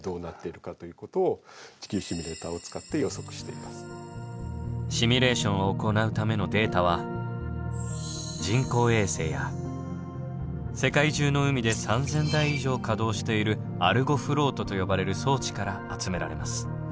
ここ図があるのはシミュレーションを行うためのデータは人工衛星や世界中の海で３，０００台以上稼働しているアルゴフロートと呼ばれる装置から集められます。